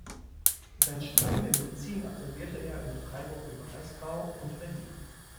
Sein Studium der Medizin absolvierte er in Freiburg im Breisgau und Berlin.